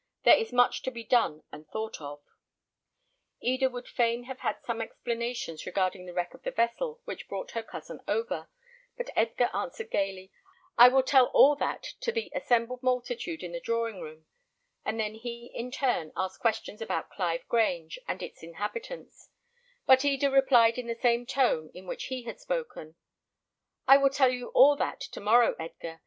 There is much to be done and thought of." Eda would fain have had some explanations regarding the wreck of the vessel which brought her cousin over, but Edgar answered gaily, "I will tell all that to the assembled multitude in the drawing room;" and then he, in turn, asked questions about Clive Grange, and its inhabitants; but Eda replied in the same tone in which he had spoken, "I will tell you all that to morrow, Edgar.